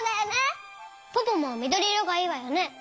ポポもみどりいろがいいわよね。